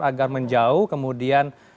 agar menjauh kemudian